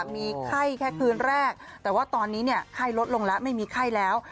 มีไข้แค่คืนแรกแต่ว่าตอนนี้ไข้ลดลงแล้วไม่มีไข้แล้ว